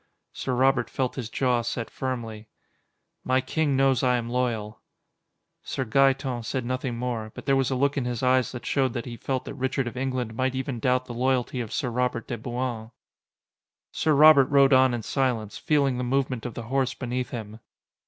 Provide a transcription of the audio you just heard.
Sir Robert felt his jaw set firmly. "My king knows I am loyal." Sir Gaeton said nothing more, but there was a look in his eyes that showed that he felt that Richard of England might even doubt the loyalty of Sir Robert de Bouain. Sir Robert rode on in silence, feeling the movement of the horse beneath him.